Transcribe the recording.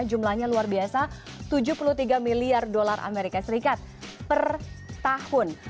jumlahnya luar biasa tujuh puluh tiga miliar dolar amerika serikat per tahun